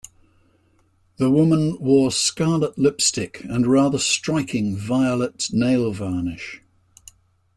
The woman wore scarlet lipstick and rather striking violet nail varnish